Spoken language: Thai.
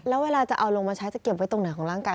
แล้วเวลาจะเอาลงมาใช้จะเก็บไว้ตรงไหนของร่างกาย